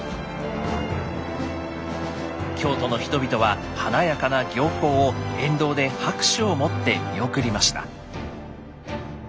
京都の人々は華やかな行幸を沿道で拍手をもって見送りました。